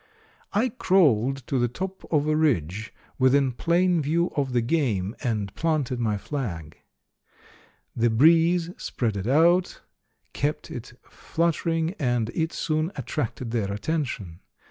"I crawled to the top of a ridge within plain view of the game, and planted my flag. The breeze spread it out, kept it fluttering, and it soon attracted their attention.